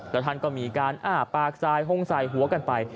แล้วท่านก็มีการอ้าปากสายฮงสายหัวกันไป